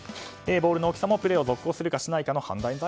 ボールの大きさもプレーを続行するかしないかの判断